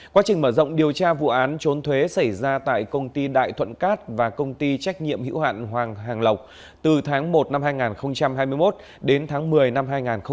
quá trình mở rộng điều tra vụ án trốn thuế xảy ra tại công ty đại thuận cát và công ty trách nhiệm hữu hạn hoàng hàng lộc từ tháng một năm hai nghìn hai mươi một đến tháng một mươi năm hai nghìn hai mươi ba